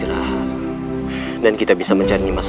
lihat dia menangis